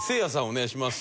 お願いします。